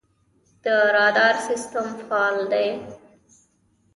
د رادار سیستم فعال دی؟